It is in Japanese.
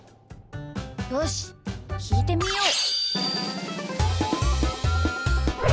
よしきいてみよう！